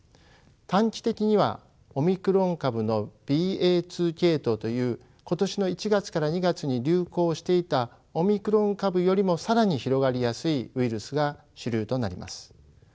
短期的にはオミクロン株のＢＡ２系統という今年の１月から２月に流行していたオミクロン株よりも更に広がりやすいウイルスが主流となります。